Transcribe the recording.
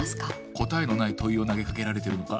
答えのない問いを投げかけられてるのか？